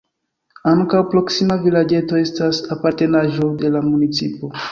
Ankaŭ proksima vilaĝeto estas apartenaĵo de la municipo.